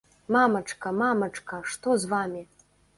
Мамачка, мамачка, што з вамі?